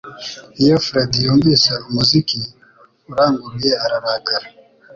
Iyo Fred yumvise umuziki uranguruye ararakara